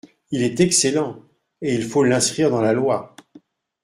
Il est excellent, et il faut l’inscrire dans la loi.